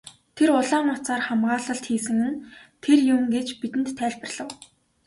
Тэр улаан утсаар хамгаалалт хийсэн нь тэр юм гэж бидэнд тайлбарлав.